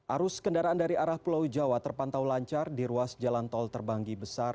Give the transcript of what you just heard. arus kendaraan dari arah pulau jawa terpantau lancar di ruas jalan tol terbanggi besar